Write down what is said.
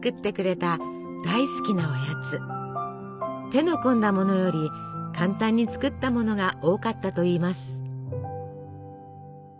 手の込んだものより簡単に作ったものが多かったといいます。